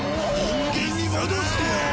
人間に戻してやる。